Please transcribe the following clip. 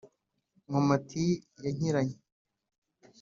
nkomati ya nkiranya